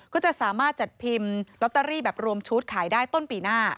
ก็จะสามารถจัดพิมพ์ลอตเตอรี่แบบรวมชุดขายได้ต้นปีหน้า